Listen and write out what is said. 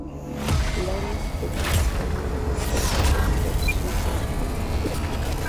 Lawrence" Takeshi Kitano y la música del compositor Ryuichi Sakamoto.